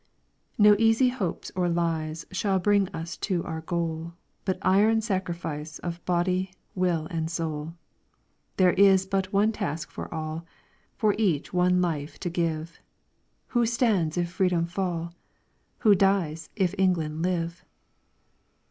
"_No easy hopes or lies Shall bring us to our goal, But iron sacrifice Of body, will, and soul. There is but one task for all For each one life to give; Who stands if freedom fall? Who dies if England live?